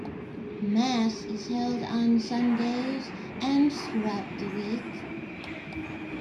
Mass is held on Sundays and throughout the week.